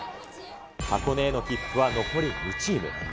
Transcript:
箱根への切符は残り２チーム。